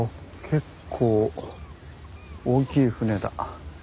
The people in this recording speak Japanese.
結構大きい船だ。